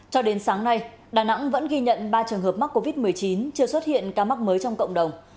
cho đến sáng nay đà nẵng vẫn ghi nhận ba trường hợp mắc covid một mươi chín chưa xuất hiện ca mắc mới trong cộng đồng